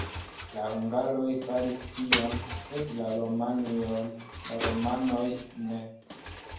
La hungaroj faris tion, sed la rumanoj ne.